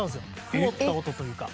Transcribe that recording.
曇った音というか。